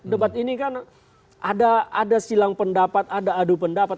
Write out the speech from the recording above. debat ini kan ada silang pendapat ada adu pendapat